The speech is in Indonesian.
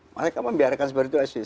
mereka membiarkan seperti itu aja sih